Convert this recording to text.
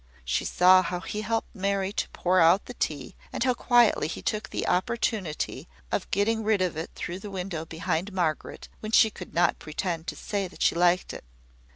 She saw how he helped Mary to pour out the tea, and how quietly he took the opportunity of getting rid of it through the window behind Margaret, when she could not pretend to say that she liked it.